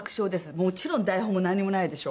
もちろん台本もなんにもないでしょ。